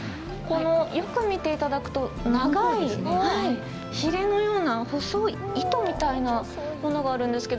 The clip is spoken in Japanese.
よく見ていただくと長いひれのような細い糸みたいなものがあるんですけどこれは何ですか？